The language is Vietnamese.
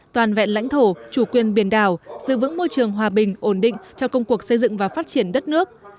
toàn vẹn lãnh thổ chủ quyền biển đảo giữ vững môi trường hòa bình ổn định cho công cuộc xây dựng và phát triển đất nước